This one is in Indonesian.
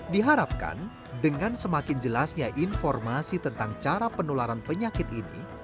diharapkan dengan semakin jelasnya informasi tentang cara penularan penyakit ini